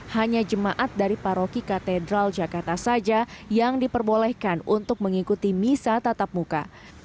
hanya jemaat dari paroki katedral jakarta saja yang diperbolehkan untuk mengikuti misa tatap muka